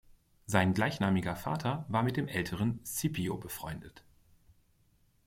Sein gleichnamiger Vater war mit dem älteren Scipio befreundet.